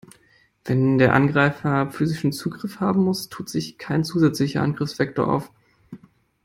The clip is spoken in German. Wenn der Angreifer physischen Zugriff haben muss, tut sich kein zusätzlicher Angriffsvektor auf.